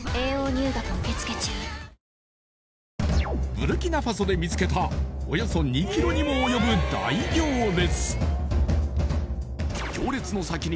ブルキナファソで見つけたおよそ２キロにもおよぶ大行列